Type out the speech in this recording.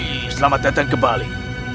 hei selamat datang kembali